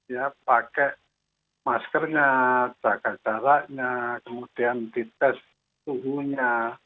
ya pakai maskernya jaga jaraknya kemudian dites suhunya